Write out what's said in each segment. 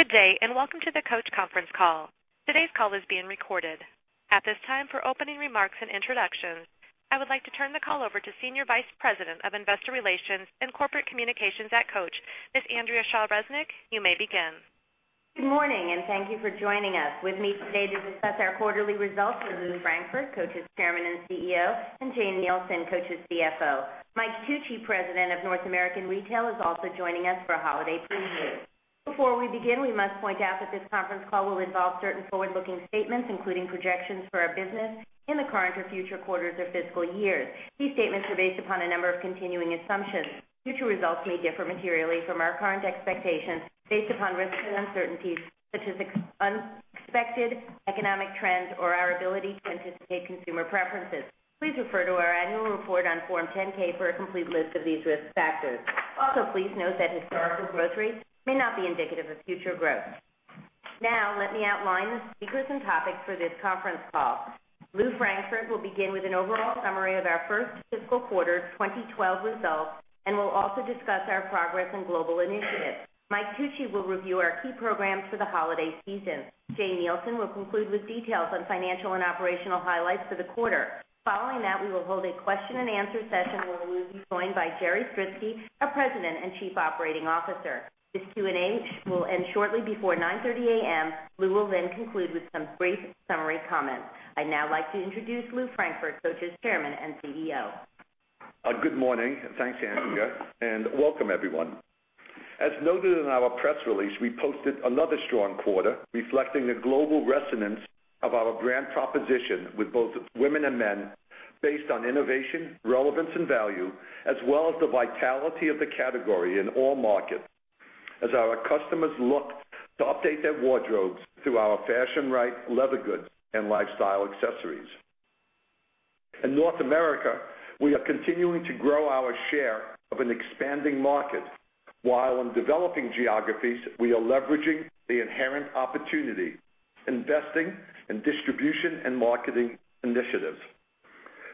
Good day and welcome to the Coach conference call. Today's call is being recorded. At this time, for opening remarks and introductions, I would like to turn the call over to Senior Vice President of Investor Relations and Corporate Communications at Coach. Ms. Andrea Shaw Resnick, you may begin. Good morning and thank you for joining us. With me today to discuss our quarterly results is Lew Frankfort, Coach's Chairman and CEO, and Jane Nielsen, Coach's CFO. Mike Tucci, President of North American Retail, is also joining us for a holiday preview. Before we begin, we must point out that this conference call will involve certain forward-looking statements, including projections for our business in the current or future quarters or fiscal years. These statements are based upon a number of continuing assumptions. Future results may differ materially from our current expectations based upon risks and uncertainties such as unexpected economic trends or our ability to anticipate consumer preferences. Please refer to our annual report on Form 10-K for a complete list of these risk factors. Also, please note that historical growth rates may not be indicative of future growth. Now, let me outline the speakers and topics for this conference call. Lew Frankfort will begin with an overall summary of our first fiscal quarter 2012 result and will also discuss our progress and global initiatives. Mike Tucci will review our key programs for the holiday season. Jane Nielsen will conclude with details on financial and operational highlights for the quarter. Following that, we will hold a question and answer session where we will be joined by Jerry Stritzke, our President and Chief Operating Officer. This Q&A will end shortly before 9:30 A.M. Lew will then conclude with some brief summary comments. I'd now like to introduce Lew Frankfort, Coach's Chairman and CEO. Good morning. Thanks, Andrea, and welcome, everyone. As noted in our press release, we posted another strong quarter reflecting the global resonance of our brand proposition with both women and men based on innovation, relevance, and value, as well as the vitality of the category in all markets. As our customers look to update their wardrobes through our fashion-right leather goods and lifestyle accessories. In North America, we are continuing to grow our share of an expanding market. While in developing geographies, we are leveraging the inherent opportunity investing in distribution and marketing initiatives.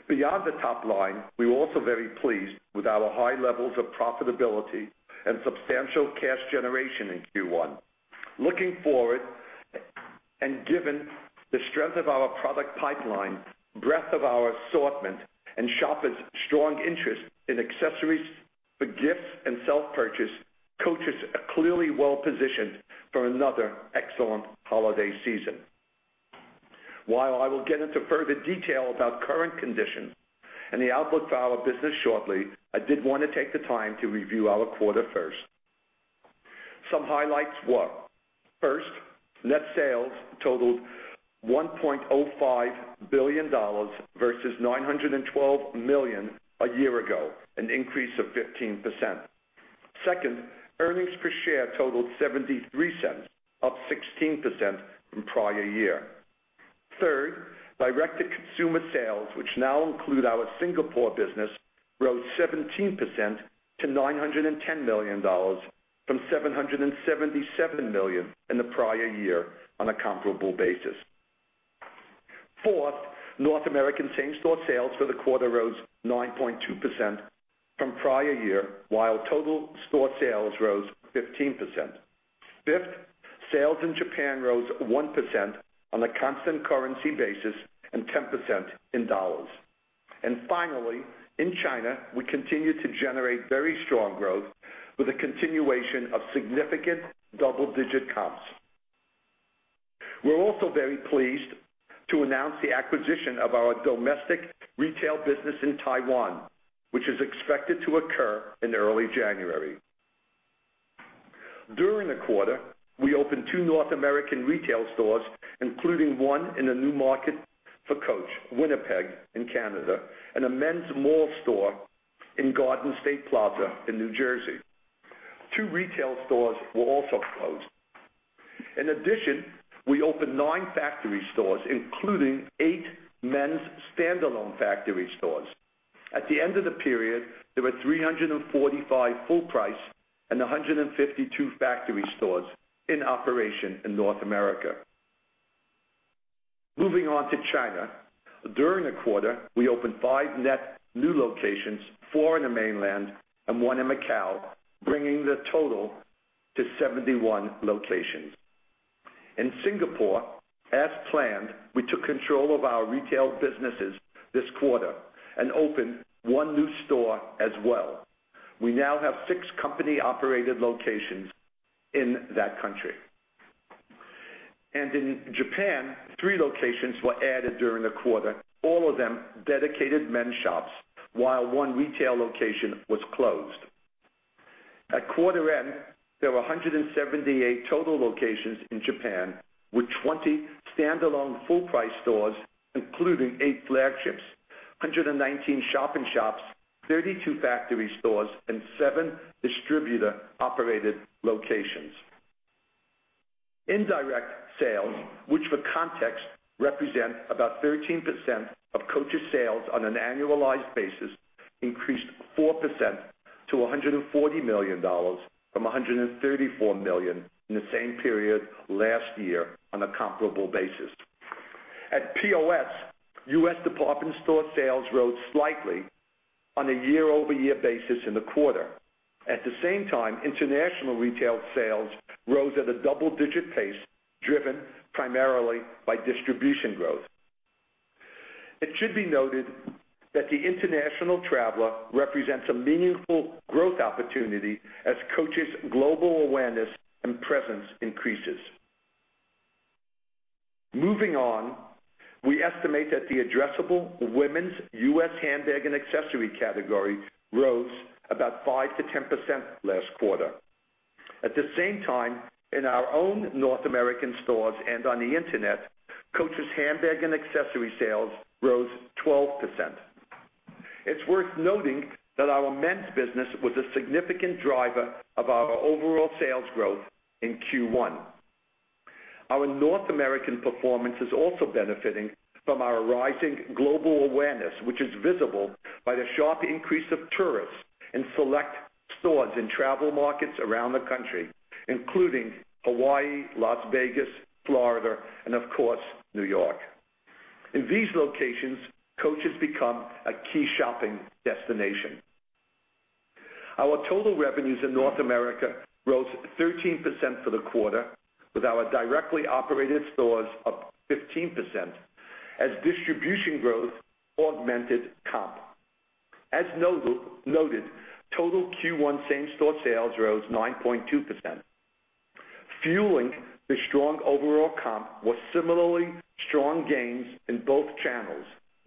Beyond the top line, we're also very pleased with our high levels of profitability and substantial cash generation in Q1. Looking forward and given the strength of our product pipeline, breadth of our assortment, and shoppers' strong interest in accessories for gifts and self-purchase, Coach is clearly well-positioned for another excellent holiday season. While I will get into further detail about current condition and the outlook for our business shortly, I did want to take the time to review our quarter first. Some highlights were: first, net sales totaled $1.05 billion versus $912 million a year ago, an increase of 15%. Second, earnings per share totaled $0.73, up 16% from prior year. Third, direct-to-consumer sales, which now include our Singapore business, rose 17% to $910 million from $777 million in the prior year on a comparable basis. Fourth, North American same-store sales for the quarter rose 9.2% from prior year, while total store sales rose 15%. Fifth, sales in Japan rose 1% on a constant currency basis and 10% in dollars. Finally, in China, we continue to generate very strong growth with a continuation of significant double-digit comps. We're also very pleased to announce the acquisition of our domestic retail business in Taiwan, which is expected to occur in early January. During the quarter, we opened two North American retail stores, including one in a new market for Coach, Winnipeg in Canada, and a men's mall store in Garden State Plaza in New Jersey. Two retail stores were also closed. In addition, we opened nine factory stores, including eight men's standalone factory stores. At the end of the period, there were 345 full-price and 152 factory stores in operation in North America. Moving on to China, during the quarter, we opened five net new locations, four in the mainland and one in Macau, bringing the total to 71 locations. In Singapore, as planned, we took control of our retail businesses this quarter and opened one new store as well. We now have six company-operated locations in that country. In Japan, three locations were added during the quarter, all of them dedicated men's shops, while one retail location was closed. At quarter end, there were 178 total locations in Japan with 20 standalone full-price stores, including eight flagships, 119 shop-in-shops, 32 factory stores, and seven distributor-operated locations. Indirect sales, which for context represent about 13% of Coach's sales on an annualized basis, increased 4% to $140 million from $134 million in the same period last year on a comparable basis. At POS, U.S. department store sales rose slightly on a year-over-year basis in the quarter. At the same time, international retail sales rose at a double-digit pace, driven primarily by distribution growth. It should be noted that the international traveler represents a meaningful growth opportunity as Coach's global awareness and presence increases. We estimate that the addressable women's U.S. handbag and accessory category rose about 5% - 10% last quarter. At the same time, in our own North American stores and on the internet, Coach's handbag and accessory sales rose 12%. It's worth noting that our men's business was a significant driver of our overall sales growth in Q1. Our North American performance is also benefiting from our rising global awareness, which is visible by the sharp increase of tourists in select stores in travel markets around the country, including Hawaii, Las Vegas, Florida, and of course, New York. In these locations, Coach has become a key shopping destination. Our total revenues in North America rose 13% for the quarter, with our directly operated stores up 15% as distribution growth augmented comp. As noted, total Q1 same-store sales rose 9.2%. Fueling the strong overall comp was similarly strong gains in both channels,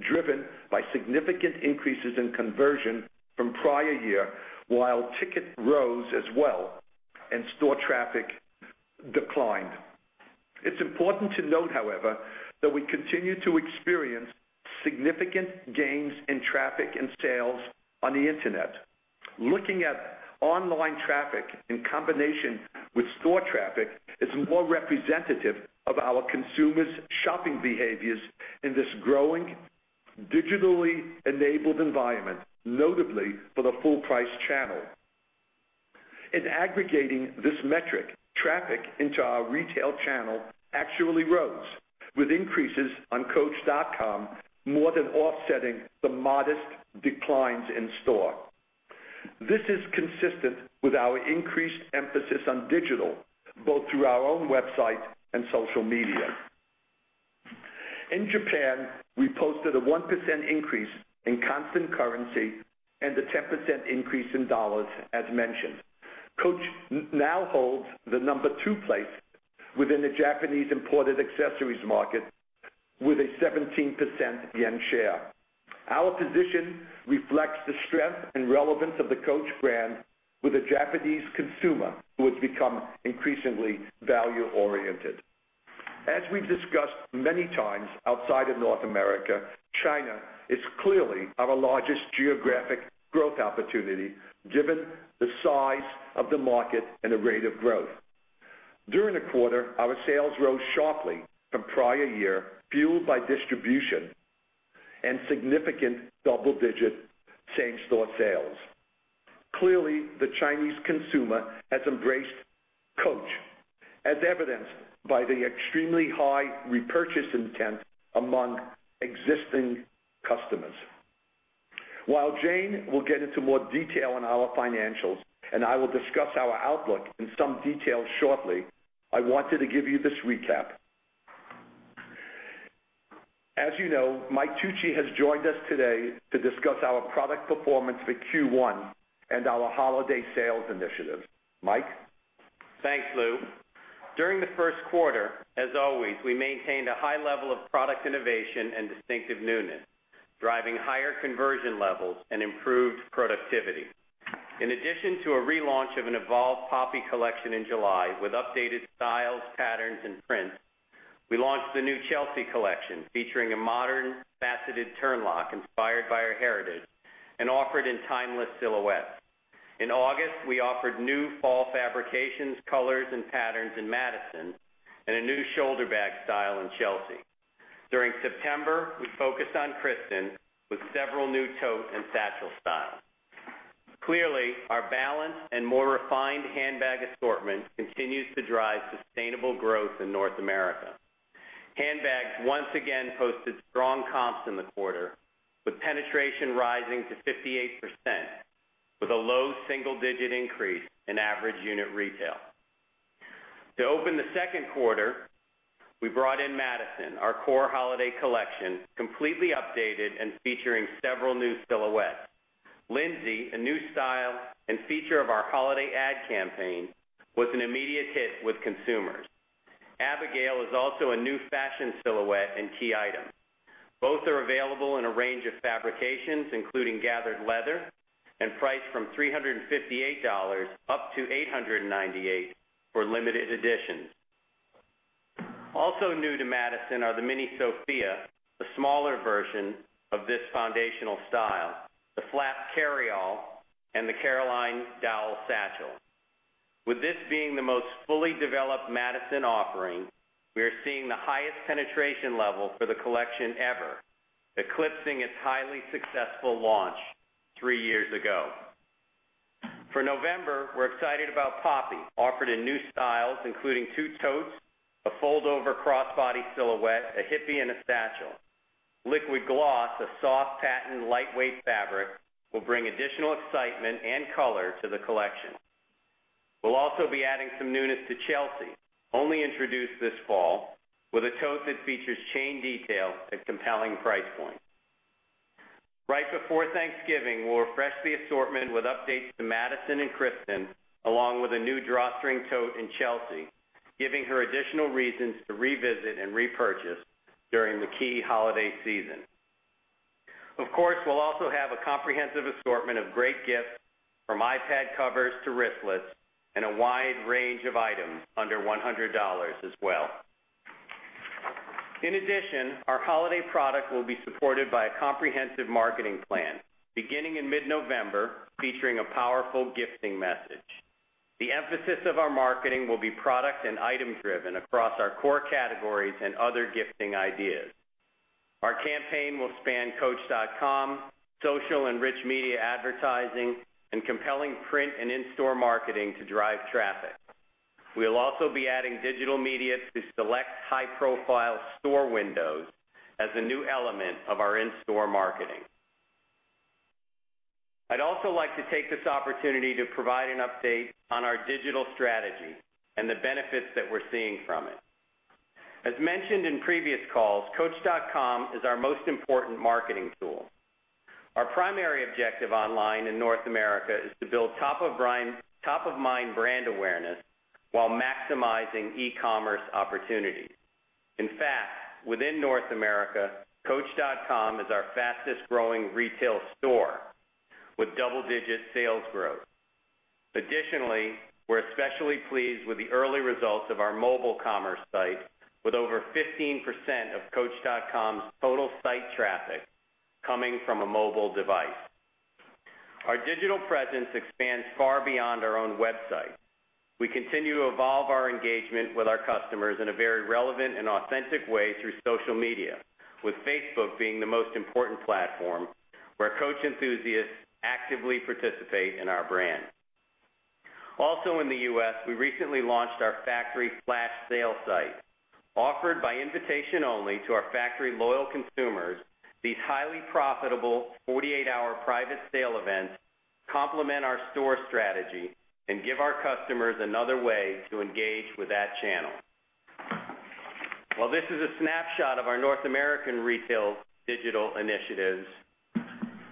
driven by significant increases in conversion from prior year, while tickets rose as well and store traffic declined. It's important to note, however, that we continue to experience significant gains in traffic and sales on the internet. Looking at online traffic in combination with store traffic is more representative of our consumers' shopping behaviors in this growing digitally enabled environment, notably for the full-price channel. In aggregating this metric, traffic into our retail channel actually rose, with increases on coach.com more than offsetting the modest declines in store. This is consistent with our increased emphasis on digital, both through our own website and social media. In Japan, we posted a 1% increase in constant currency and a 10% increase in dollars, as mentioned. Coach now holds the number two place within the Japanese imported accessories market, with a 17% yen share. Our position reflects the strength and relevance of the Coach brand with a Japanese consumer who has become increasingly value-oriented. As we've discussed many times outside of North America, China is clearly our largest geographic growth opportunity, given the size of the market and the rate of growth. During the quarter, our sales rose sharply from prior year, fueled by distribution and significant double-digit same-store sales. Clearly, the Chinese consumer has embraced Coach, as evidenced by the extremely high repurchase intent among existing customers. While Jane will get into more detail on our financials and I will discuss our outlook in some detail shortly, I wanted to give you this recap. As you know, Mike Tucci has joined us today to discuss our product performance for Q1 and our holiday sales initiative. Mike? Thanks, Lew. During the first quarter, as always, we maintained a high level of product innovation and distinctive newness, driving higher conversion levels and improved productivity. In addition to a relaunch of an evolved Poppy collection in July with updated styles, patterns, and prints, we launched the new Chelsea collection, featuring a modern, faceted turn lock inspired by our heritage and offered in timeless silhouettes. In August, we offered new fall fabrications, colors, and patterns in Madison, and a new shoulder bag style in Chelsea. During September, we focused on with several new tote and satchel styles. Clearly, our balanced and more refined handbag assortment continues to drive sustainable growth in North America. Handbags once again posted strong comps in the quarter, with penetration rising to 58%, with a low single-digit increase in average unit retail. To open the second quarter, we brought in Madison, our core holiday collection, completely updated and featuring several new silhouettes. Lindsay, a new style and feature of our holiday ad campaign, was an immediate hit with consumers. Abigail is also a new fashion silhouette and key item. Both are available in a range of fabrications, including gathered leather, and priced from $358 up to $898 for limited editions. Also new to Madison are the mini Sophia, a smaller version of this foundational style, the flap carryall, and the Caroline dowel satchel. With this being the most fully developed Madison offering, we are seeing the highest penetration level for the collection ever, eclipsing its highly successful launch three years ago. For November, we're excited about Poppy, offered in new styles, including two totes, a fold-over crossbody silhouette, a hippie, and a satchel. Liquid Gloss, a soft, patented, lightweight fabric, will bring additional excitement and color to the collection. We'll also be adding some newness to Chelsea, only introduced this fall, with a tote that features chain detail and compelling price points. Right before Thanksgiving, we'll refresh the assortment with updates to Madison and Kirsten, along with a new drawstring tote in Chelsea, giving her additional reasons to revisit and repurchase during the key holiday season. Of course, we'll also have a comprehensive assortment of great gifts, from iPad covers to wristlets, and a wide range of items under $100 as well. In addition, our holiday product will be supported by a comprehensive marketing plan, beginning in mid-November, featuring a powerful gifting message. The emphasis of our marketing will be product and item-driven across our core categories and other gifting ideas. Our campaign will span coach.com, social and rich media advertising, and compelling print and in-store marketing to drive traffic. We'll also be adding digital media to select high-profile store windows as a new element of our in-store marketing. I'd also like to take this opportunity to provide an update on our digital strategy and the benefits that we're seeing from it. As mentioned in previous calls, coach.com is our most important marketing tool. Our primary objective online in North America is to build top-of-mind brand awareness while maximizing e-commerce opportunities. In fact, within North America, coach.com is our fastest growing retail store with double-digit sales growth. Additionally, we're especially pleased with the early results of our mobile commerce site, with over 15% of coach.com's total site traffic coming from a mobile device. Our digital presence expands far beyond our own website. We continue to evolve our engagement with our customers in a very relevant and authentic way through social media, with Facebook being the most important platform where Coach enthusiasts actively participate in our brand. Also in the U.S., we recently launched our factory flash sale site, offered by invitation only to our factory loyal consumers. These highly profitable 48-hour private sale events complement our store strategy and give our customers another way to engage with that channel. While this is a snapshot of our North American retail digital initiatives,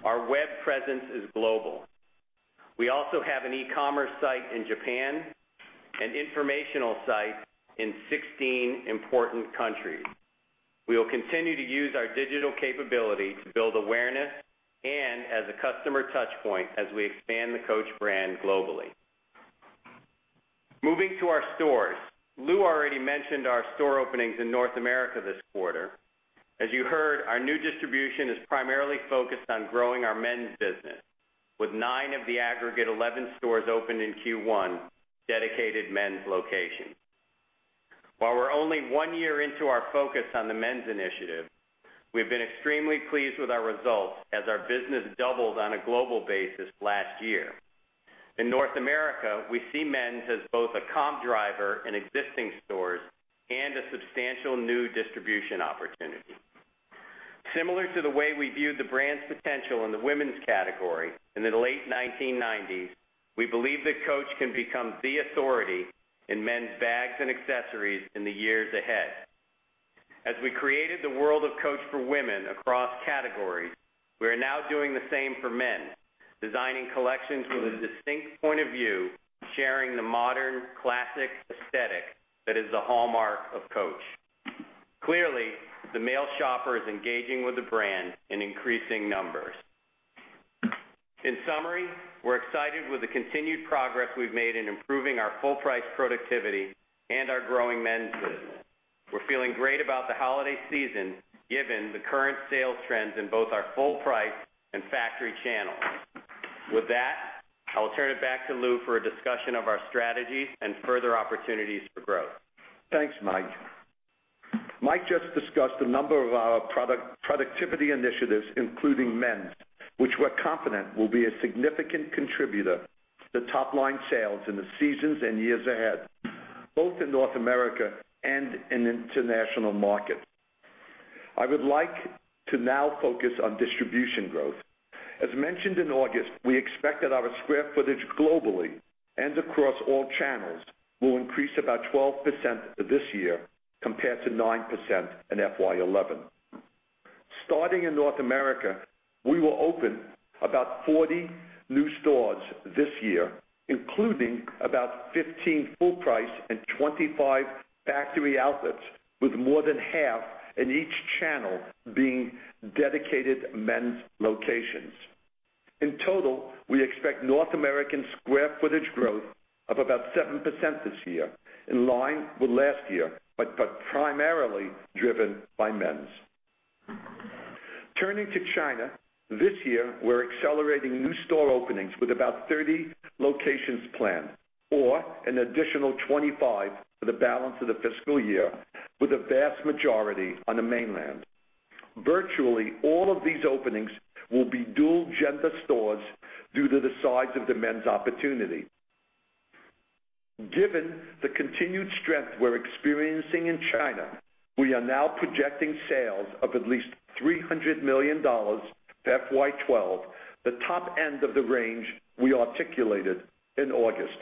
our web presence is global. We also have an e-commerce site in Japan and informational sites in 16 important countries. We will continue to use our digital capability to build awareness and as a customer touchpoint as we expand the Coach brand globally. Moving to our stores, Lew already mentioned our store openings in North America this quarter. As you heard, our new distribution is primarily focused on growing our men's business, with nine of the aggregate 11 stores opened in Q1 dedicated men's locations. While we're only one year into our focus on the men's initiative, we've been extremely pleased with our results as our business doubled on a global basis last year. In North America, we see men's as both a comp driver in existing stores and a substantial new distribution opportunity. Similar to the way we viewed the brand's potential in the women's category in the late 1990s, we believe that Coach can become the authority in men's bags and accessories in the years ahead. As we created the world of Coach for women across categories, we are now doing the same for men's, designing collections with a distinct point of view, sharing the modern classic aesthetic that is the hallmark of Coach. Clearly, the male shopper is engaging with the brand in increasing numbers. In summary, we're excited with the continued progress we've made in improving our full-price productivity and our growing men's business. We're feeling great about the holiday season, given the current sales trends in both our full-price and factory channels. With that, I will turn it back to Lew for a discussion of our strategies and further opportunities for growth. Thanks, Mike. Mike just discussed a number of our product productivity initiatives, including men's, which we're confident will be a significant contributor to the top-line sales in the seasons and years ahead, both in North America and in the international market. I would like to now focus on distribution growth. As mentioned in August, we expect that our square footage globally and across all channels will increase about 12% this year compared to 9% in. Starting in North America, we will open about 40 new stores this year, including about 15 full-price and 25 factory outlets, with more than half in each channel being dedicated men's locations. In total, we expect North American square footage growth of about 7% this year, in line with last year, but primarily driven by men's. Turning to China, this year, we're accelerating new store openings with about 30 locations planned or an additional 25 for the balance of the fiscal year, with a vast majority on the mainland. Virtually all of these openings will be dual-gender stores due to the size of the men's opportunity. Given the continued strength we're experiencing in China, we are now projecting sales of at least $300 million for FY 2012, the top end of the range we articulated in August.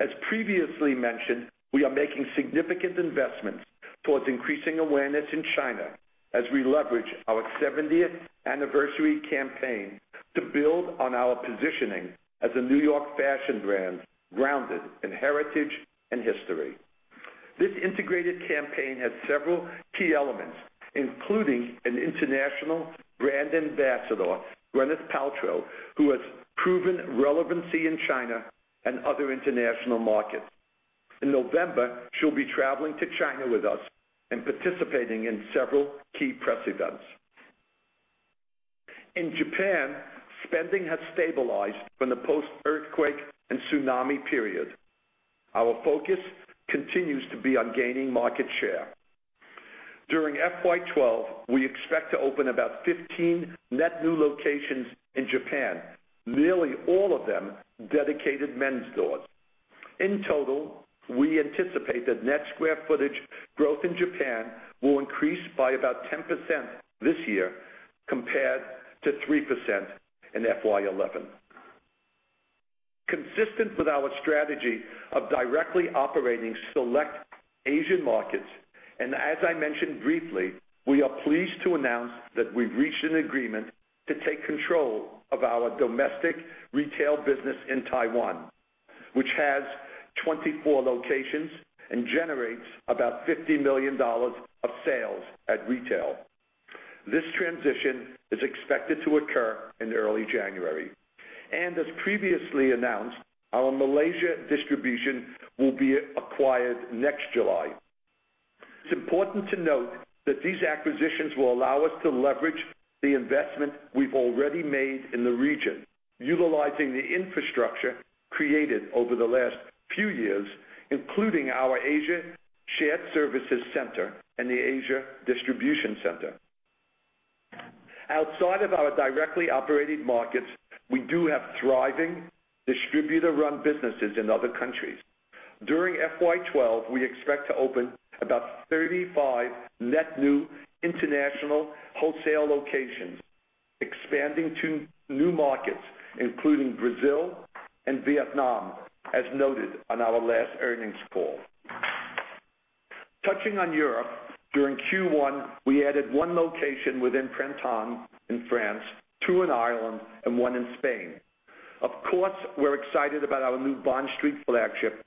As previously mentioned, we are making significant investments towards increasing awareness in China as we leverage our 70th anniversary campaign to build on our positioning as a New York fashion brand grounded in heritage and history. This integrated campaign has several key elements, including an international brand ambassador, Gwyneth Paltrow, who has proven relevancy in China and other international markets. In November, she'll be traveling to China with us and participating in several key press events. In Japan, spending has stabilized from the post-earthquake and tsunami period. Our focus continues to be on gaining market share. During FY 2012, we expect to open about 15 net new locations in Japan, nearly all of them dedicated men's stores. In total, we anticipate that net square footage growth in Japan will increase by about 10% this year compared to 3% in FY 2011. Consistent with our strategy of directly operating select Asian markets, and as I mentioned briefly, we are pleased to announce that we've reached an agreement to take control of our domestic retail business in Taiwan, which has 24 locations and generates about $50 million of sales at retail. This transition is expected to occur in early January. As previously announced, our Malaysia distribution will be acquired next July. It's important to note that these acquisitions will allow us to leverage the investment we've already made in the region, utilizing the infrastructure created over the last few years, including our Asia Shared Services Center and the Asia Distribution Center. Outside of our directly operated markets, we do have thriving distributor-run businesses in other countries. During, we expect to open about 35 net new international wholesale locations, expanding to new markets, including Brazil and Vietnam, as noted on our last earnings call. Touching on Europe, during Q1, we added one location within Printemps in France, two in Ireland, and one in Spain. Of course, we're excited about our new Bond Street flagship,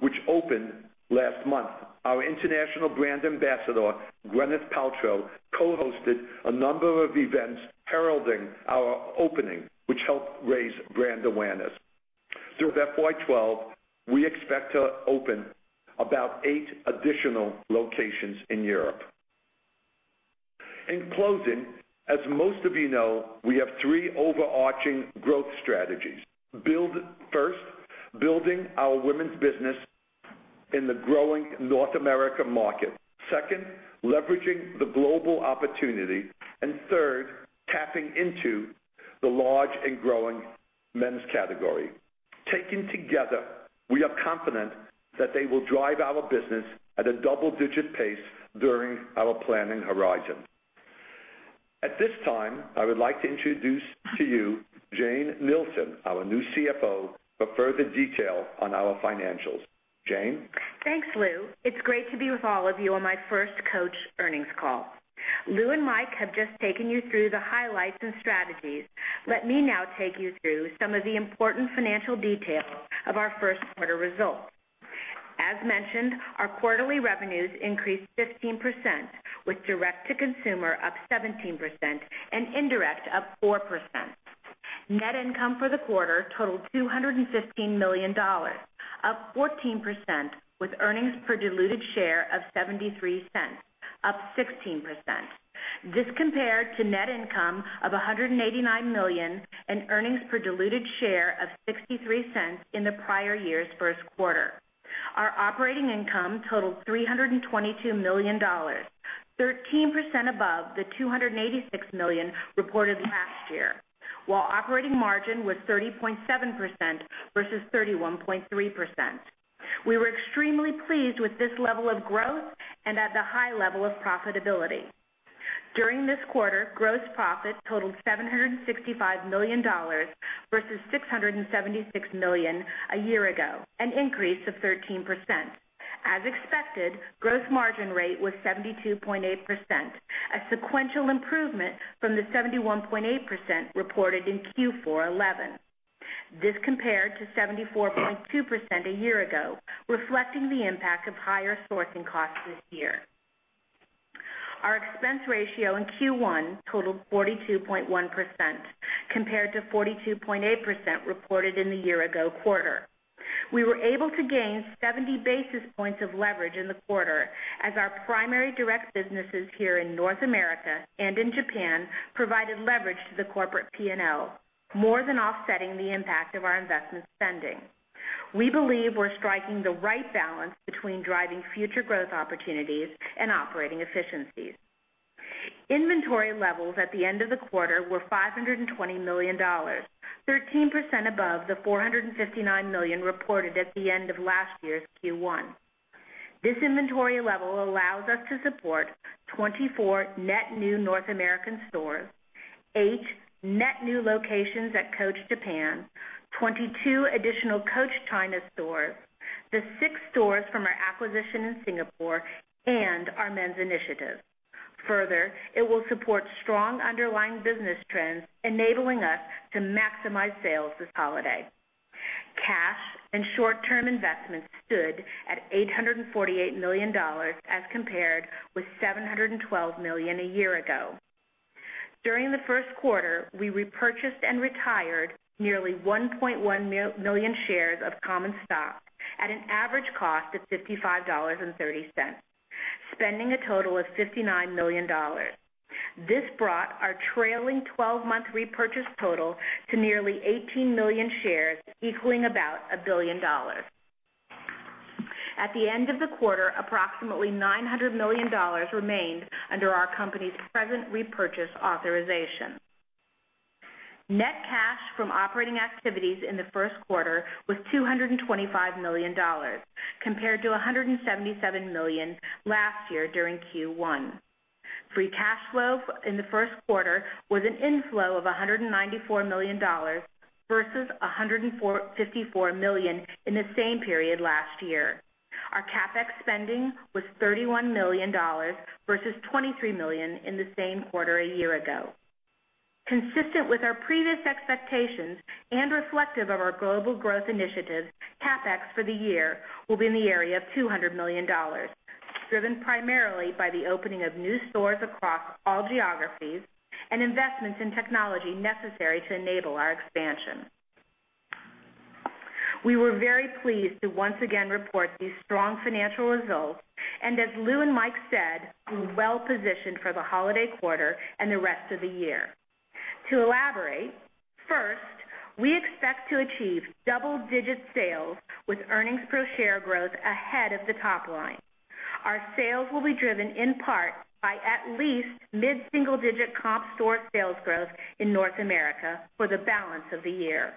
which opened last month. Our international brand ambassador, Gwyneth Paltrow, co-hosted a number of events heralding our opening, which helped raise brand awareness. Through FY 2012, we expect to open about eight additional locations in Europe. In closing, as most of you know, we have three overarching growth strategies. First, building our women's business in the growing North American market. Second, leveraging the global opportunity. Third, tapping into the large and growing men's category. Taken together, we are confident that they will drive our business at a double-digit pace during our planning horizon. At this time, I would like to introduce to you Jane Nielsen, our new Chief Financial Officer, for further detail on our financials. Jane. Thanks, Lew. It's great to be with all of you on my first Coach earnings call. Lew and Mike have just taken you through the highlights and strategies. Let me now take you through some of the important financial details of our first quarter results. As mentioned, our quarterly revenues increased 15%, with direct-to-consumer up 17% and indirect up 4%. Net income for the quarter totaled $215 million, up 14%, with earnings per diluted share of $0.73, up 16%. This compared to net income of $189 million and earnings per diluted share of $0.63 in the prior year's first quarter. Our operating income totaled $322 million, 13% above the $286 million reported last year, while operating margin was 30.7% versus 31.3%. We were extremely pleased with this level of growth and at the high level of profitability. During this quarter, gross profit totaled $765 million versus $676 million a year ago, an increase of 13%. As expected, gross margin rate was 72.8%, a sequential improvement from the 71.8% reported in Q4 2011. This compared to 74.2% a year ago, reflecting the impact of higher sourcing costs this year. Our expense ratio in Q1 totaled 42.1% compared to 42.8% reported in the year-ago quarter. We were able to gain 70 basis points of leverage in the quarter as our primary direct businesses here in North America and in Japan provided leverage to the corporate P&L, more than offsetting the impact of our investment spending. We believe we're striking the right balance between driving future growth opportunities and operating efficiencies. Inventory levels at the end of the quarter were $520 million, 13% above the $459 million reported at the end of last year's Q1. This inventory level allows us to support 24 net new North American stores, eight net new locations at Coach Japan, 22 additional Coach China stores, the six stores from our acquisition in Singapore, and our men's initiative. Further, it will support strong underlying business trends, enabling us to maximize sales this holiday. Cash and short-term investments stood at $848 million as compared with $712 million a year ago. During the first quarter, we repurchased and retired nearly 1.1 million shares of common stock at an average cost of $55.30, spending a total of $59 million. This brought our trailing 12-month repurchase total to nearly 18 million shares, equaling about $1 billion. At the end of the quarter, approximately $900 million remained under our company's present repurchase authorization. Net cash from operating activities in the first quarter was $225 million, compared to $177 million last year during Q1. Free cash flow in the first quarter was an inflow of $194 million versus $154 million in the same period last year. Our CapEx spending was $31 million versus $23 million in the same quarter a year ago. Consistent with our previous expectations and reflective of our global growth initiatives, CapEx for the year will be in the area of $200 million, driven primarily by the opening of new stores across all geographies and investments in technology necessary to enable our expansion. We were very pleased to once again report these strong financial results. As Lew and Mike said, we're well positioned for the holiday quarter and the rest of the year. To elaborate, first, we expect to achieve double-digit sales with earnings per share growth ahead of the top line. Our sales will be driven in part by at least mid-single-digit comp store sales growth in North America for the balance of the year.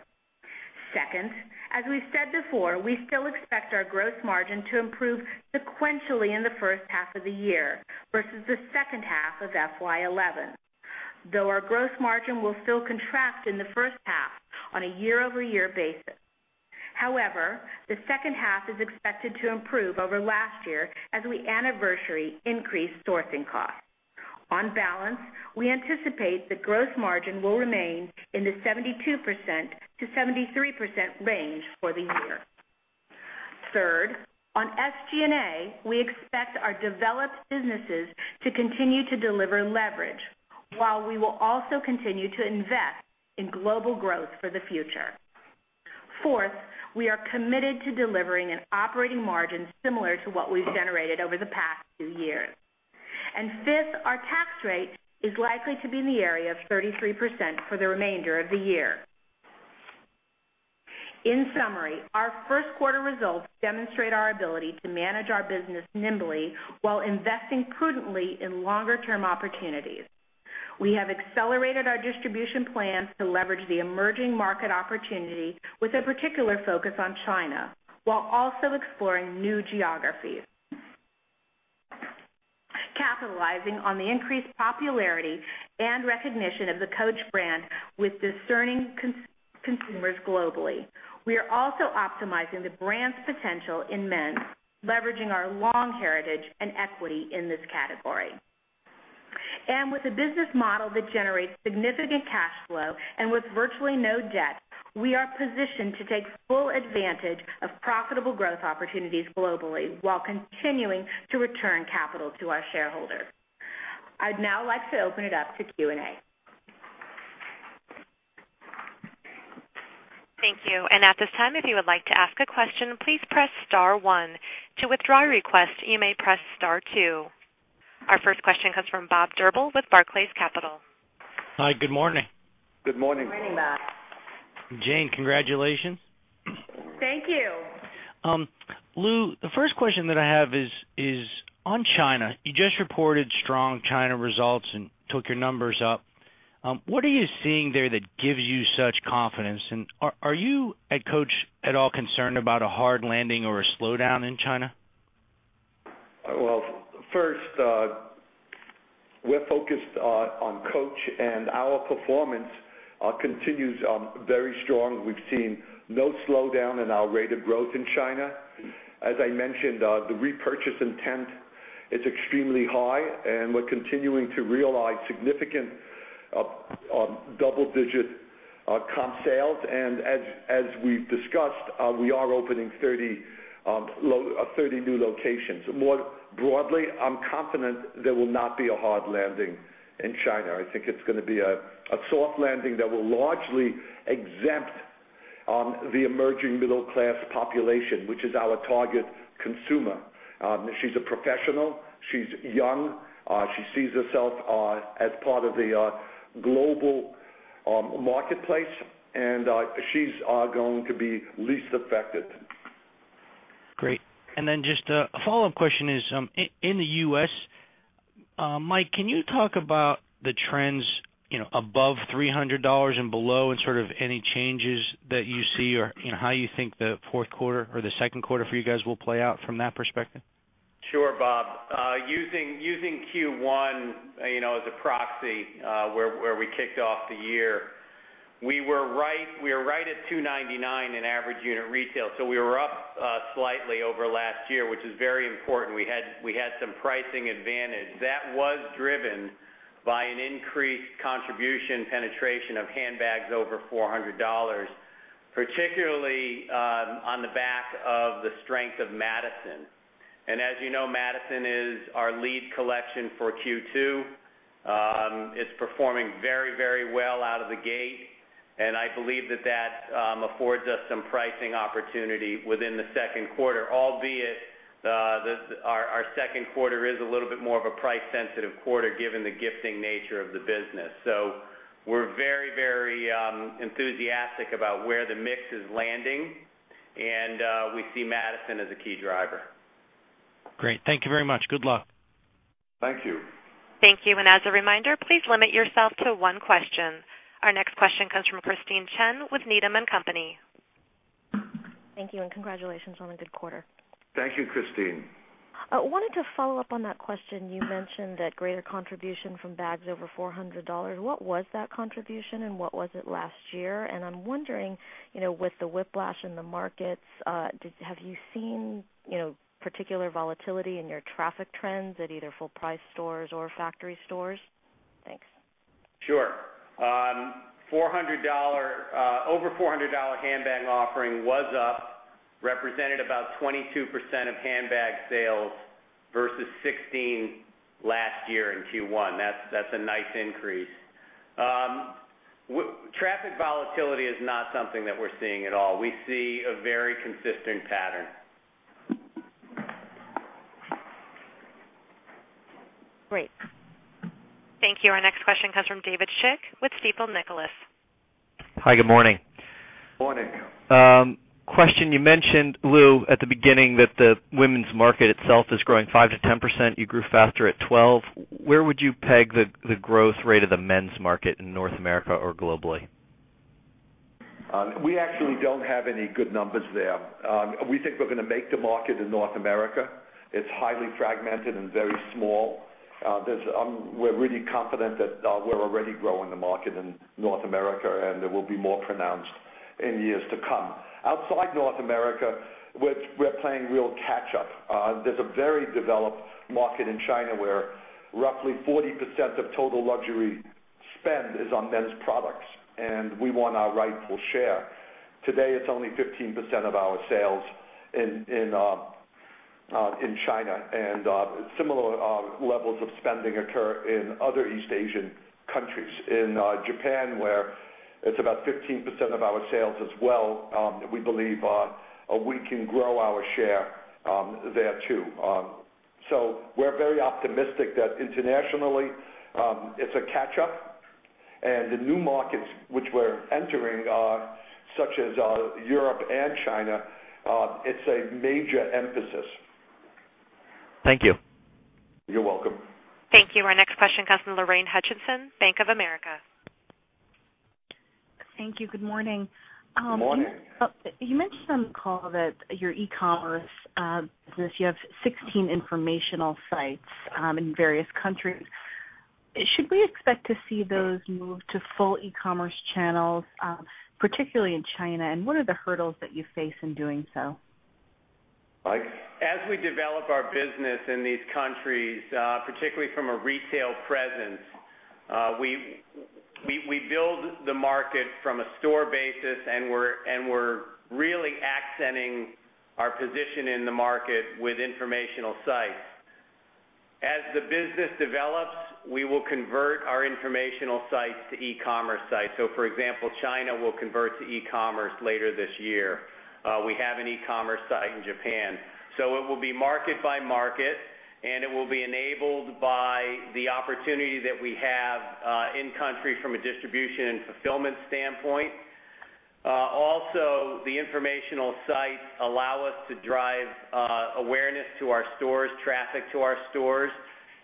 Second, as we said before, we still expect our gross margin to improve sequentially in the first half of the year versus the second half of FY 2011, though our gross margin will still contract in the first half on a year-over-year basis. However, the second half is expected to improve over last year as we anniversary increase sourcing costs. On balance, we anticipate the gross margin will remain in the 72% - 73% range for the year. Third, on SG&A, we expect our developed businesses to continue to deliver leverage while we will also continue to invest in global growth for the future. Fourth, we are committed to delivering an operating margin similar to what we've generated over the past two years. Fifth, our tax rate is likely to be in the area of 33% for the remainder of the year. In summary, our first quarter results demonstrate our ability to manage our business nimbly while investing prudently in longer-term opportunities. We have accelerated our distribution plans to leverage the emerging market opportunity with a particular focus on China, while also exploring new geographies. Capitalizing on the increased popularity and recognition of the Coach brand with discerning consumers globally, we are also optimizing the brand's potential in men, leveraging our long heritage and equity in this category. With a business model that generates significant cash flow and with virtually no debt, we are positioned to take full advantage of profitable growth opportunities globally while continuing to return capital to our shareholders. I'd now like to open it up to Q&A. Thank you. At this time, if you would like to ask a question, please press star one. To withdraw a request, you may press star two. Our first question comes from Bob Drabble with Barclays Capital. Hi, good morning. Good morning. Morning, Bob. Jane, congratulations. Thank you. Lew, the first question that I have is on China. You just reported strong China results and took your numbers up. What are you seeing there that gives you such confidence? Are you at Coach at all concerned about a hard landing or a slowdown in China? First, we're focused on Coach and our performance continues very strong. We've seen no slowdown in our rate of growth in China. As I mentioned, the repurchase intent is extremely high and we're continuing to realize significant double-digit comp sales. As we've discussed, we are opening 30 new locations. More broadly, I'm confident there will not be a hard landing in China. I think it's going to be a soft landing that will largely exempt the emerging middle-class population, which is our target consumer. She's a professional. She's young. She sees herself as part of the global marketplace and she's going to be least affected. Great. Just a follow-up question is in the U.S., Mike, can you talk about the trends above $300 and below, and sort of any changes that you see or how you think the fourth quarter or the second quarter for you guys will play out from that perspective? Sure, Bob. Using Q1 as a proxy where we kicked off the year, we were right at $299 in average unit retail. We were up slightly over last year, which is very important. We had some pricing advantage. That was driven by an increased contribution penetration of handbags over $400, particularly on the back of the strength of Madison. Madison is our lead collection for Q2. It's performing very, very well out of the gate. I believe that that affords us some pricing opportunity within the second quarter, albeit our second quarter is a little bit more of a price-sensitive quarter given the gifting nature of the business. We're very, very enthusiastic about where the mix is landing and we see Madison as a key driver. Great. Thank you very much. Good luck. Thank you. Thank you. As a reminder, please limit yourself to one question. Our next question comes from Christine Chen with Needham & Company. Thank you and congratulations on a good quarter. Thank you, Christina. I wanted to follow up on that question. You mentioned that greater contribution from bags over $400. What was that contribution and what was it last year? I'm wondering, with the whiplash in the markets, have you seen particular volatility in your traffic trends at either full-price stores or factory stores? Thanks. Sure. Over $400 handbag offering was up, represented about 22% of handbag sales versus 16% last year in Q1. That's a nice increase. Traffic volatility is not something that we're seeing at all. We see a very consistent pattern. Great. Thank you. Our next question comes from David Schick with Stifel Nicolaus. Hi, good morning. Morning. Question, you mentioned, Lew, at the beginning that the women's market itself is growing 5% - 10%. You grew faster at 12%. Where would you peg the growth rate of the men's market in North America or globally? We actually don't have any good numbers there. We think we're going to make the market in North America. It's highly fragmented and very small. We're really confident that we're already growing the market in North America, and it will be more pronounced in years to come. Outside North America, we're playing real catch-up. There's a very developed market in China, where roughly 40% of total luxury spend is on men's products, and we want our rightful share. Today, it's only 15% of our sales in China. Similar levels of spending occur in other East Asian countries. In Japan, where it's about 15% of our sales as well, we believe we can grow our share there too. We're very optimistic that internationally it's a catch-up, and the new markets which we're entering, such as Europe and China, it's a major emphasis. Thank you. You're welcome. Thank you. Our next question comes from Lorraine Hutchinson, Bank of America. Thank you. Good morning. Morning. You mentioned on the call that your e-commerce business, you have 16 informational sites in various countries. Should we expect to see those move to full e-commerce channels, particularly in China? What are the hurdles that you face in doing so? As we develop our business in these countries, particularly from a retail presence, we build the market from a store basis, and we're really accenting our position in the market with informational sites. As the business develops, we will convert our informational sites to e-commerce sites. For example, China will convert to e-commerce later this year. We have an e-commerce site in Japan. It will be market by market, and it will be enabled by the opportunity that we have in country from a distribution and fulfillment standpoint. Also, the informational sites allow us to drive awareness to our stores, traffic to our stores,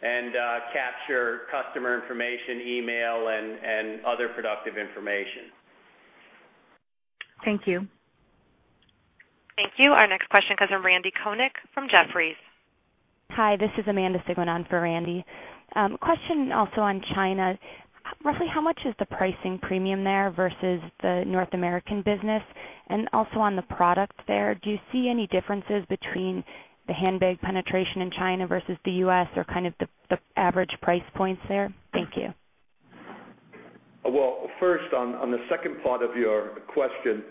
and capture customer information, email, and other productive information. Thank you. Thank you. Our next question comes from Randal Konik from Jefferies. Hi, this is Amanda Sigmund on for Randy. Question also on China. Roughly how much is the pricing premium there versus the North American business? Also on the product there, do you see any differences between the handbag penetration in China versus the U.S. or kind of the average price points there? Thank you. On the second part of your question,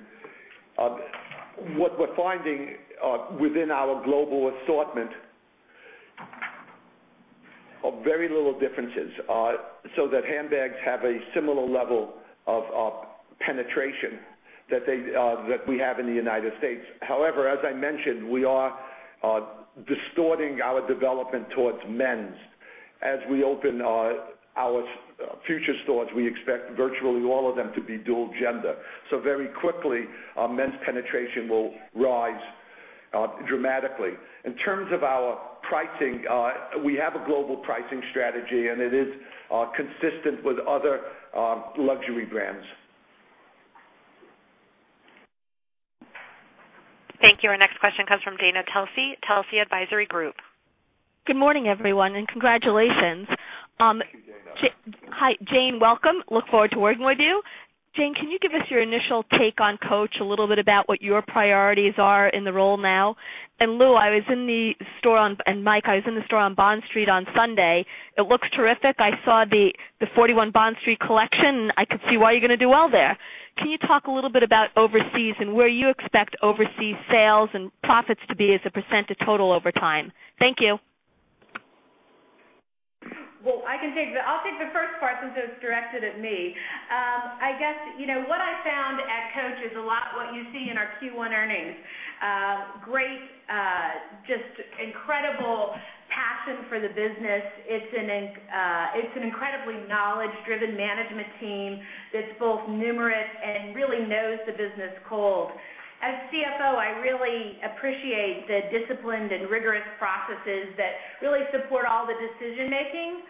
what we're finding within our global assortment are very little differences. So that handbags have a similar level of penetration that we have in the United States. However, as I mentioned, we are distorting our development towards men's. As we open our future stores, we expect virtually all of them to be dual gender. Very quickly, men's penetration will rise dramatically. In terms of our pricing, we have a global pricing strategy and it is consistent with other luxury brands. Thank you. Our next question comes from Dana Telsey, Telsey Advisory Group. Good morning, everyone, and congratulations. Hi, Jane, welcome. Look forward to working with you. Jane, can you give us your initial take on Coach, a little bit about what your priorities are in the role now? Lew, I was in the store, and Mike, I was in the store on Bond Street on Sunday. It looks terrific. I saw the 41 Bond Street collection, and I could see why you're going to do well there. Can you talk a little bit about overseas and where you expect overseas sales and profits to be as a percentage total over time? Thank you. I can take the first part since it's directed at me. I guess, you know, what I found at Coach is a lot what you see in our Q1 earnings. Great, just incredible passion for the business. It's an incredibly knowledge-driven management team that's both numerate and really knows the business cold. As Chief Financial Officer, I really appreciate the disciplined and rigorous processes that really support all the decision-making,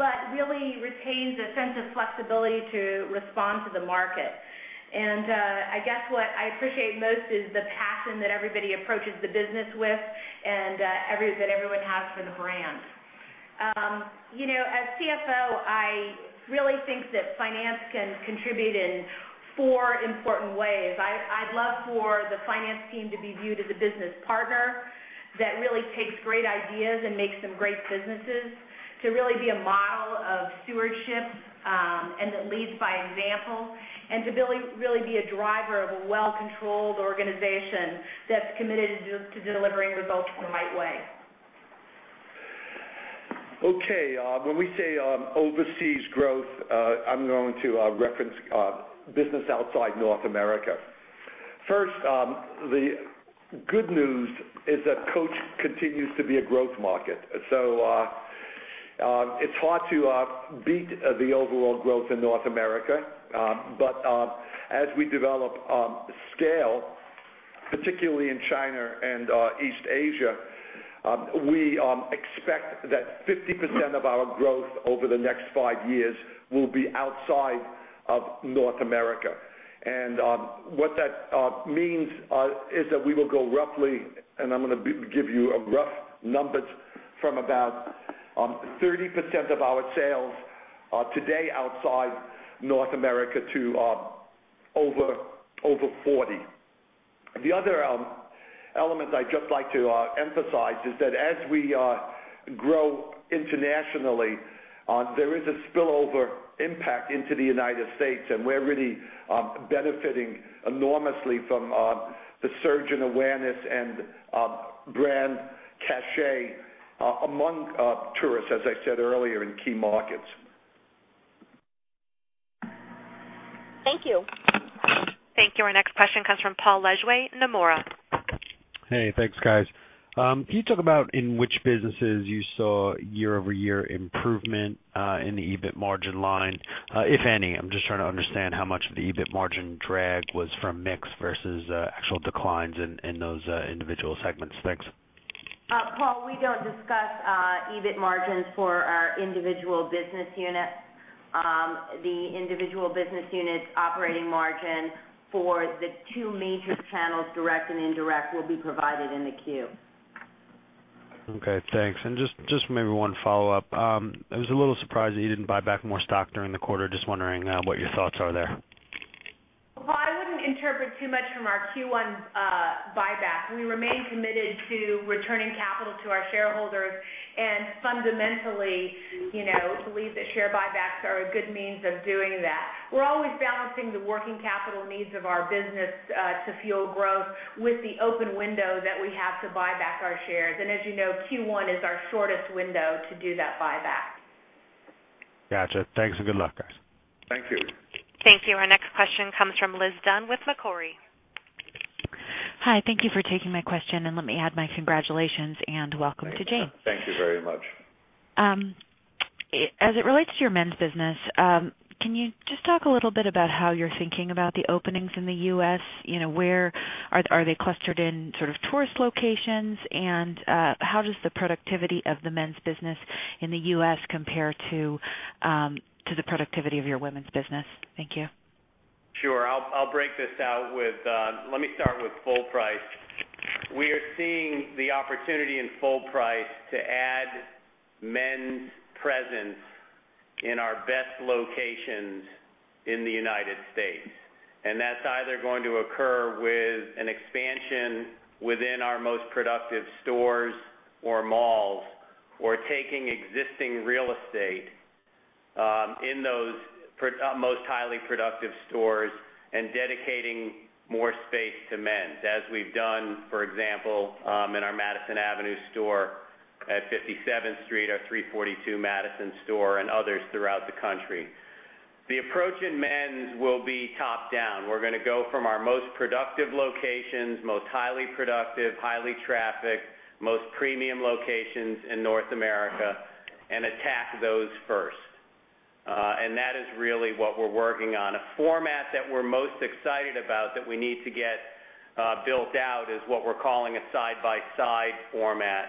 but really retains a sense of flexibility to respond to the market. I guess what I appreciate most is the passion that everybody approaches the business with and that everyone has for the brand. You know, as Chief Financial Officer, I really think that finance can contribute in four important ways. I'd love for the finance team to be viewed as a business partner that really takes great ideas and makes them great businesses, to really be a model of stewardship and that leads by example, and to really be a driver of a well-controlled organization that's committed to delivering results in the right way. Okay. When we say overseas growth, I'm going to reference business outside North America. First, the good news is that Coach continues to be a growth market. It's hard to beat the overall growth in North America. As we develop scale, particularly in China and East Asia, we expect that 50% of our growth over the next five years will be outside of North America. What that means is that we will go roughly, and I'm going to give you a rough number, from about 30% of our sales today outside North America to over 40%. The other element I'd just like to emphasize is that as we grow internationally, there is a spillover impact into the United States, and we're really benefiting enormously from the surge in awareness and brand cache among tourists, as I said earlier, in key markets. Thank you. Thank you. Our next question comes from Paul Legrez, Nomura. Hey, thanks, guys. Can you talk about in which businesses you saw year-over-year improvement in the EBIT margin line, if any? I'm just trying to understand how much of the EBIT margin drag was from mix versus actual declines in those individual segments, thanks. Paul, we don't discuss EBIT margins for our individual business unit. The individual business unit operating margin for the two major channels, direct and indirect, will be provided in the Q. Okay, thanks. Just maybe one follow-up. I was a little surprised that you didn't buy back more stock during the quarter. Just wondering what your thoughts are there. I wouldn't interpret too much from our Q1 buyback. We remain committed to returning capital to our shareholders and fundamentally, you know, believe that share buybacks are a good means of doing that. We're always balancing the working capital needs of our business to fuel growth with the open window that we have to buy back our shares. As you know, Q1 is our shortest window to do that buyback. Gotcha. Thanks and good luck, guys. Thank you. Thank you. Our next question comes from Liz Dunn with Macquarie. Hi, thank you for taking my question, and let me add my congratulations and welcome to Jane. Thank you very much. As it relates to your men's business, can you just talk a little bit about how you're thinking about the openings in the U.S.? You know, where are they clustered in sort of tourist locations, and how does the productivity of the men's business in the U.S. compare to the productivity of your women's business? Thank you. Sure. I'll break this out with, let me start with full price. We are seeing the opportunity in full price to add men's presence in our best locations in the United States. That's either going to occur with an expansion within our most productive stores or malls, or taking existing real estate in those most highly productive stores and dedicating more space to men's, as we've done, for example, in our Madison Avenue store at 57th Street, our 342 Madison store, and others throughout the country. The approach in men's will be top-down. We're going to go from our most productive locations, most highly productive, highly trafficked, most premium locations in North America, and attack those first. That is really what we're working on. A format that we're most excited about that we need to get built out is what we're calling a side-by-side format,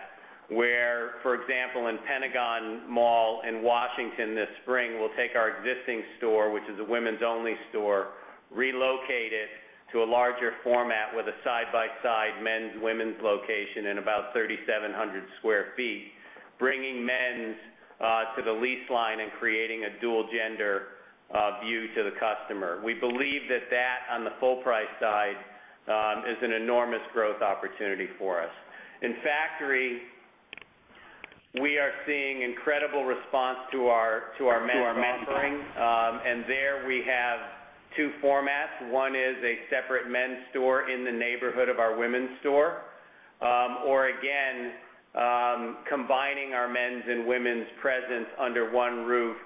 where, for example, in Pentagon Mall in Washington this spring, we'll take our existing store, which is a women's-only store, relocate it to a larger format with a side-by-side men's/women's location in about 3,700 sq ft, bringing men's to the lease line and creating a dual-gender view to the customer. We believe that on the full-price side is an enormous growth opportunity for us. In factory, we are seeing an incredible response to our men's offering. There we have two formats. One is a separate men's store in the neighborhood of our women's store, or again, combining our men's and women's presence under one roof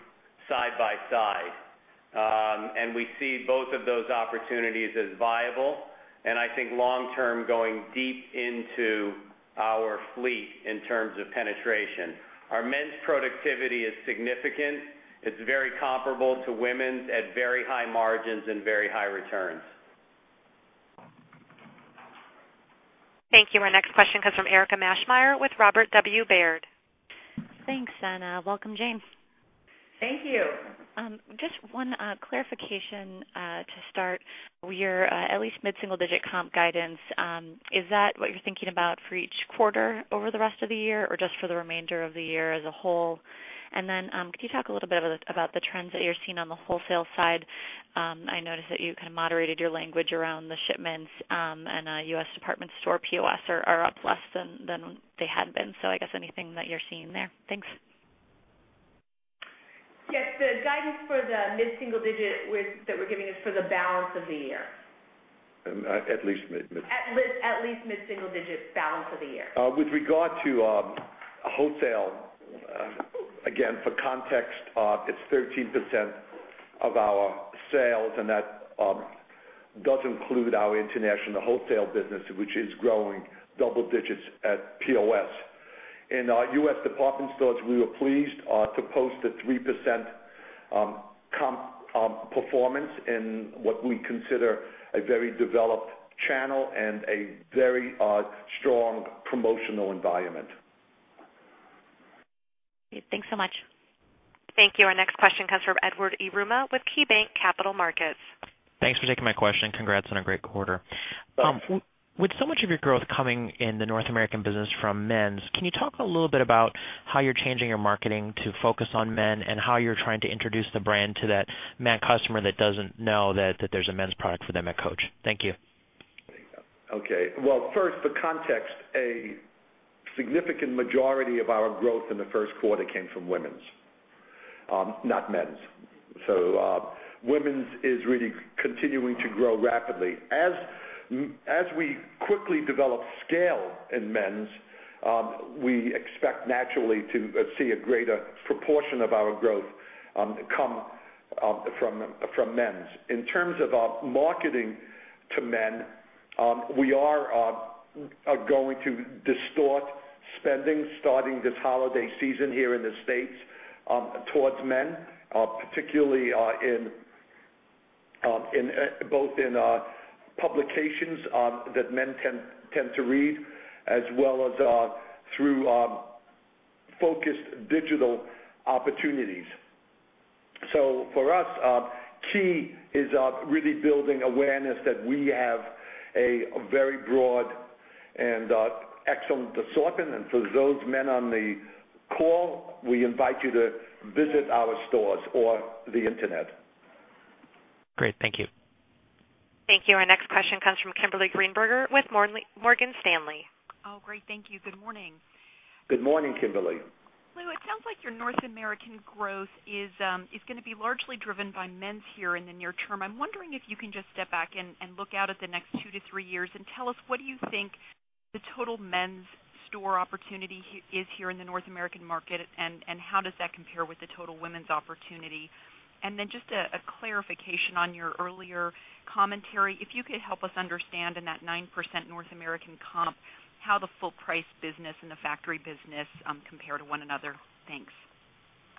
side by side. We see both of those opportunities as viable. I think long-term going deep into our fleet in terms of penetration. Our men's productivity is significant. It's very comparable to women's at very high margins and very high returns. Thank you. Our next question comes from Erika Maschmeyer with Robert W. Baird. Thanks, Anna. Welcome, Jane. Thank you. Just one clarification to start. Your at least mid-single-digit comp guidance, is that what you're thinking about for each quarter over the rest of the year or just for the remainder of the year as a whole? Could you talk a little bit about the trends that you're seeing on the wholesale side? I noticed that you kind of moderated your language around the shipments and U.S. department store POS are up less than they had been. I guess anything that you're seeing there. Thanks. Yes, the guidance for the mid-single-digit that we're giving is for the balance of the year. At least mid-single-digit. At least mid-single-digit balance of the year. With regard to wholesale, again, for context, it's 13% of our sales and that does include our international wholesale business, which is growing double digits at POS. In our U.S. department stores, we were pleased to post a 3% comp performance in what we consider a very developed channel and a very strong promotional environment. Thanks so much. Thank you. Our next question comes from Edward Yruma with KeyBanc Capital Markets. Thanks for taking my question. Congrats on a great quarter. With so much of your growth coming in the North American business from men's, can you talk a little bit about how you're changing your marketing to focus on men and how you're trying to introduce the brand to that man customer that doesn't know that there's a men's product for them at Coach? Thank you. For context, a significant majority of our growth in the first quarter came from women's, not men's. Women's is really continuing to grow rapidly. As we quickly develop scale in men's, we expect naturally to see a greater proportion of our growth come from men's. In terms of our marketing to men, we are going to distort spending starting this holiday season here in the States towards men, particularly in both publications that men tend to read, as well as through focused digital opportunities. For us, key is really building awareness that we have a very broad and excellent assortment. For those men on the call, we invite you to visit our stores or the internet. Great, thank you. Thank you. Our next question comes from Kimberly Greenberger with Morgan Stanley. Oh, great. Thank you. Good morning. Good morning, Kimberly. Lew, it sounds like your North American growth is going to be largely driven by men's here in the near term. I'm wondering if you can just step back and look out at the next two to three years and tell us what do you think the total men's store opportunity is here in the North American market, and how does that compare with the total women's opportunity? Then just a clarification on your earlier commentary, if you could help us understand in that 9% North American comp how the full-price business and the factory business compare to one another. Thanks.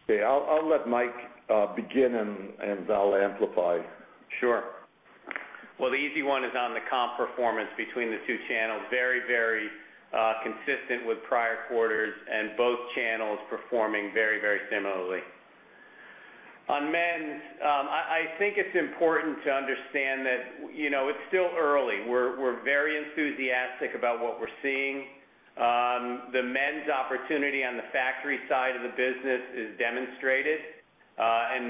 Okay, I'll let Mike begin and I'll amplify. Sure. The easy one is on the comp performance between the two channels. Very, very consistent with prior quarters and both channels performing very, very similarly. On men's, I think it's important to understand that it's still early. We're very enthusiastic about what we're seeing. The men's opportunity on the factory side of the business is demonstrated.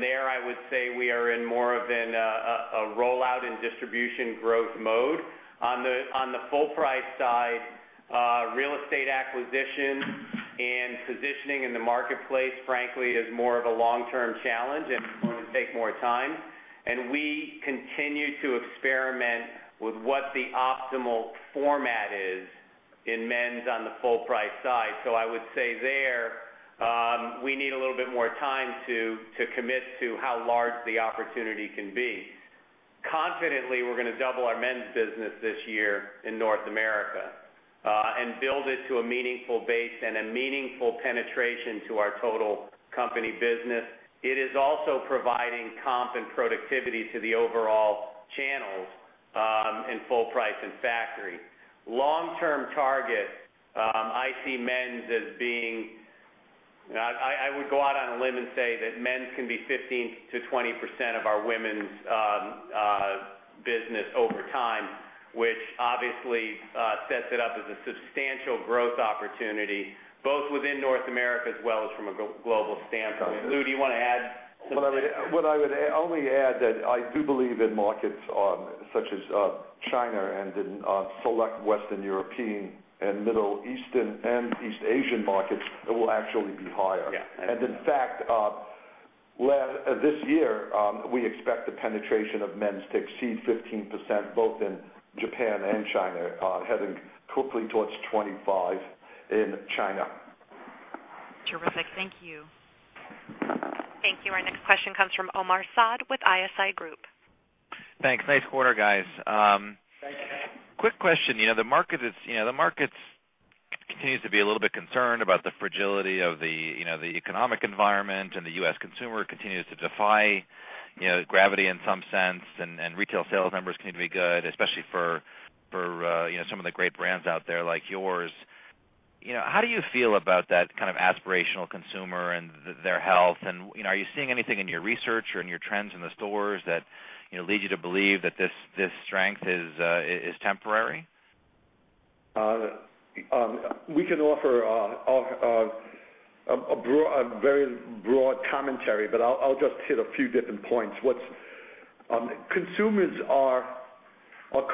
There, I would say we are in more of a rollout and distribution growth mode. On the full-price side, real estate acquisition and positioning in the marketplace, frankly, is more of a long-term challenge and will take more time. We continue to experiment with what the optimal format is in men's on the full-price side. I would say there, we need a little bit more time to commit to how large the opportunity can be. Confidently, we're going to double our men's business this year in North America and build it to a meaningful base and a meaningful penetration to our total company business. It is also providing comp and productivity to the overall channels in full price and factory. Long-term targets, I see men's as being, I would go out on a limb and say that men's can be 15% - 20% of our women's business over time, which obviously sets it up as a substantial growth opportunity both within North America as well as from a global standpoint. Lew, do you want to add? I would only add that I do believe in markets such as China and in select Western European and Middle Eastern and East Asian markets that will actually be higher. In fact, this year, we expect the penetration of men's to exceed 15% both in Japan and China, heading quickly towards 25% in China. Terrific. Thank you. Thank you. Our next question comes from Omar Saad with ISI Group. Thanks. Nice quarter, guys. Quick question. You know, the market continues to be a little bit concerned about the fragility of the economic environment, and the U.S. consumer continues to defy gravity in some sense, and retail sales numbers continue to be good, especially for some of the great brands out there like yours. How do you feel about that kind of aspirational consumer and their health? Are you seeing anything in your research or in your trends in the stores that lead you to believe that this strength is temporary? We can offer a very broad commentary, but I'll just hit a few different points. Consumers are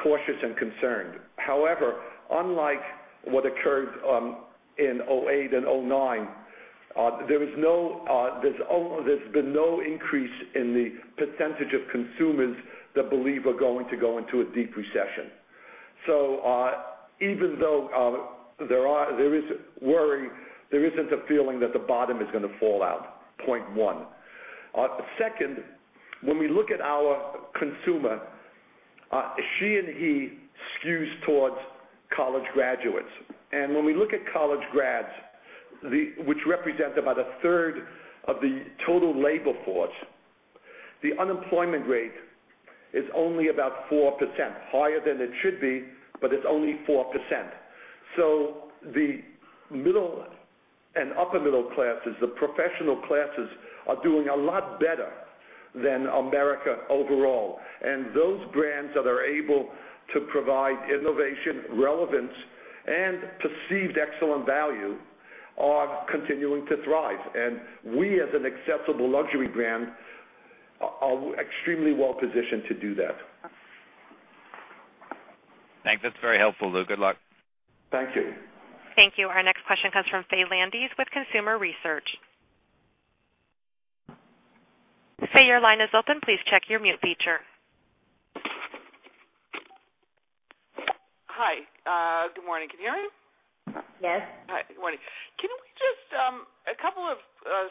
cautious and concerned. However, unlike what occurred in 2008 and 2009, there's been no increase in the % of consumers that believe we're going to go into a deep recession. Even though there is worry, there isn't a feeling that the bottom is going to fall out, point one. Second, when we look at our consumer, she and he skews towards college graduates. When we look at college grads, which represent about a third of the total labor force, the unemployment rate is only about 4%, higher than it should be, but it's only 4%. The middle and upper middle classes, the professional classes, are doing a lot better than America overall. Those brands that are able to provide innovation, relevance, and perceived excellent value are continuing to thrive. We, as an accessible luxury brand, are extremely well positioned to do that. Thanks. That's very helpful, Lew. Good luck. Thank you. Thank you. Our next question comes from Faye Landes with Consumer Research. Faye, your line is open. Please check your mute feature. Hi, good morning. Can you hear me? Yes. Hi. Good morning. Can we just ask a couple of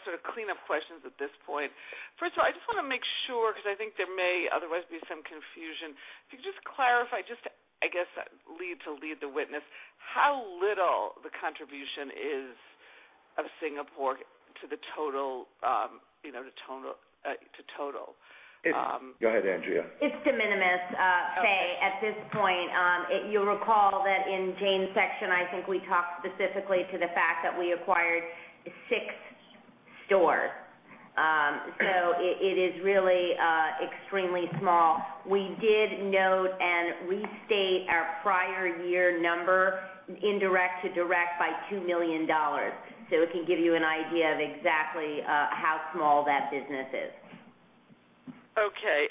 sort of clean-up questions at this point? First of all, I just want to make sure because I think there may otherwise be some confusion. If you could just clarify, just to, I guess, lead the witness, how little the contribution is of Singapore to the total, you know, to total? It's. Go ahead, Andrea. It's de minimis, Faye, at this point. You'll recall that in Jane's section, I think we talked specifically to the fact that we acquired six stores. It is really extremely small. We did note and restate our prior year number indirect to direct by $2 million. It can give you an idea of exactly how small that business is. Okay.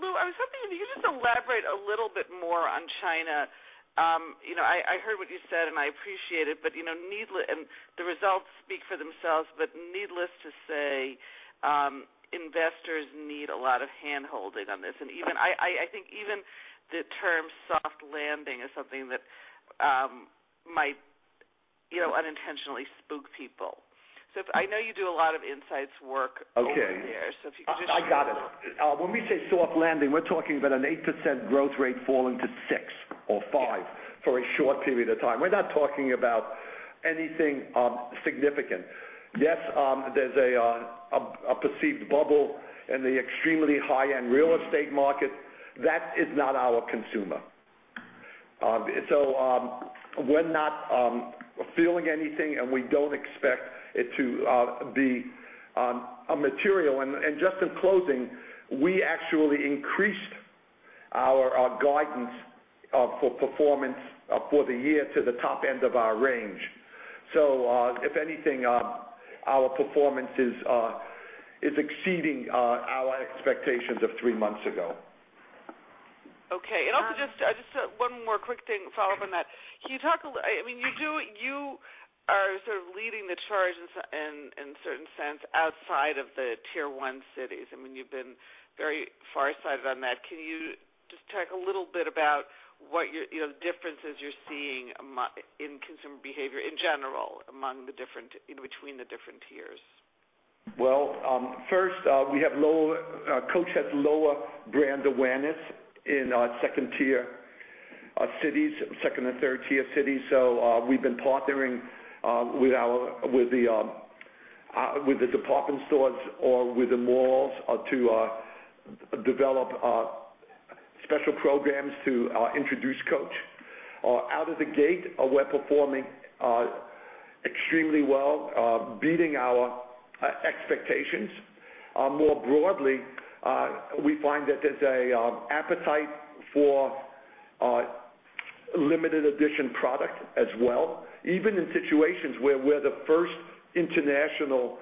Lew, I was hoping if you could just elaborate a little bit more on China. I heard what you said and I appreciate it, but the results speak for themselves. Needless to say, investors need a lot of hand-holding on this. I think even the term soft landing is something that might unintentionally spook people. I know you do a lot of insights work there. Okay. If you could just. I got it. When we say soft landing, we're talking about an 8% growth rate falling to 6% or 5% for a short period of time. We're not talking about anything significant. Yes, there's a perceived bubble in the extremely high-end real estate market. That is not our consumer. We're not feeling anything and we don't expect it to be material. In closing, we actually increased our guidance for performance for the year to the top end of our range. If anything, our performance is exceeding our expectations of three months ago. Okay. Also, just one more quick thing to follow up on that. Can you talk a little? I mean, you are sort of leading the charge in a certain sense outside of the tier-one cities. I mean, you've been very far-sighted on that. Can you just talk a little bit about what differences you're seeing in consumer behavior in general among the different, in between the different tiers? Coach has lower brand awareness in our second-tier cities, second and third-tier cities. We have been partnering with the department stores or with the malls to develop special programs to introduce Coach. Out of the gate, we're performing extremely well, beating our expectations. More broadly, we find that there's an appetite for limited-edition product as well, even in situations where we're the first international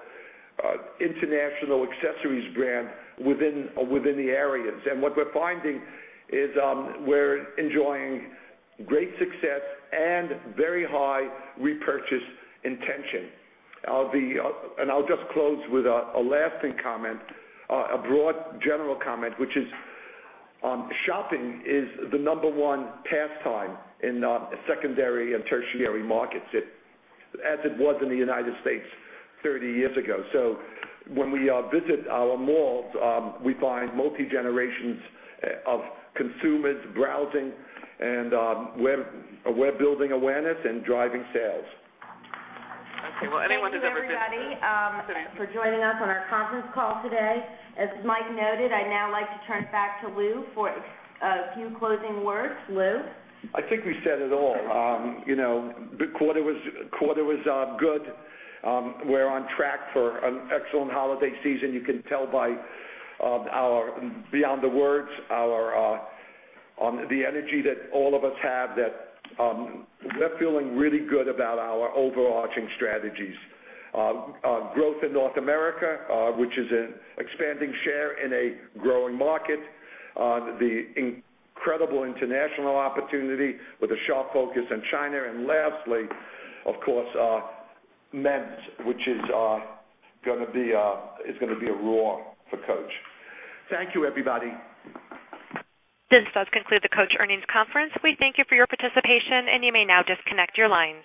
accessories brand within the areas. What we're finding is we're enjoying great success and very high repurchase intention. I'll just close with a lasting comment, a broad general comment, which is shopping is the number one pastime in secondary and tertiary markets, as it was in the United States 30 years ago. When we visit our malls, we find multi-generations of consumers browsing and we're building awareness and driving sales. Okay. Anyone who's ever. Thank you, everybody, for joining us on our conference call today. As Mike noted, I'd now like to turn it back to Lew for a few closing words. Lew? I think we said it all. You know, the quarter was good. We're on track for an excellent holiday season. You can tell by our energy that all of us have that we're feeling really good about our overarching strategies. Growth in North America, which is an expanding share in a growing market, the incredible international opportunity with a sharp focus on China, and lastly, of course, men's, which is going to be a roar for Coach. Thank you, everybody. This does conclude the Coach earnings conference. We thank you for your participation, and you may now disconnect your lines.